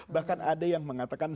bahkan ada yang mengatakan